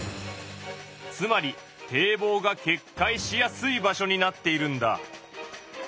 つまり堤防がけっかいしやすい場所になっているんだ。